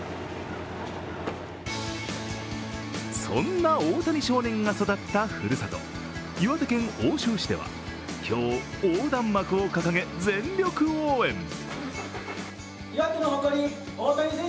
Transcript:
そんな大谷少年が育ったふるさと、岩手県奥州市では今日、横断幕を掲げ、全力応援。